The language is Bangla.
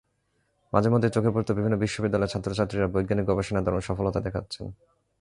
মাঝেমধ্যেই চোখে পড়ত বিভিন্ন বিশ্ববিদ্যালয়ের ছাত্রছাত্রীরা বৈজ্ঞানিক গবেষণায় দারুণ সফলতা দেখাচ্ছেন।